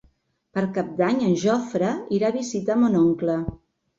Per Cap d'Any en Jofre irà a visitar mon oncle.